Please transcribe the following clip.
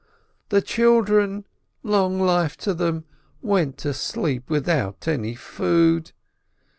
The children, long life to them, went to sleep without any food.